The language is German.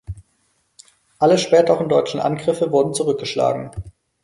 Alle späteren deutschen Angriffe wurden zurückgeschlagen.